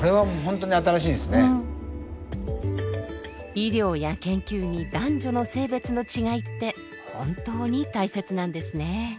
医療や研究に男女の性別の違いって本当に大切なんですね。